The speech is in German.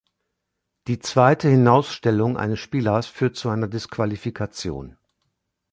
Die zweite Hinausstellung eines Spielers führt zu einer Disqualifikation.